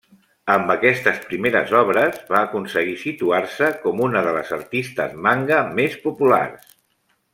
Amb aquestes primeres obres, va aconseguir situar-se com una de les artistes manga més populars.